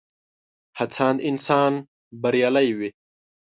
هڅاند انسان بريالی وي.